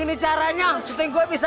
ini sih kampungan semua